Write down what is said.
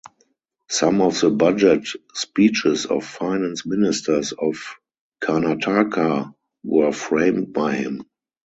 Some of the budget speeches of Finance Ministers of Karnataka were framed by him.